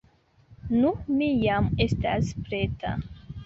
Nu, mi jam estas preta.